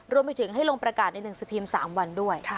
รวมไปถึงให้ลงประกาศในหนึ่งสปีมสามวันด้วย